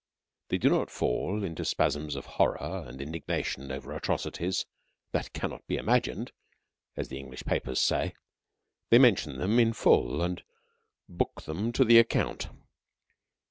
They do not fall into spasms of horror and indignation over atrocities "that cannot be mentioned," as the English papers say. They mention them in full and book them to the account.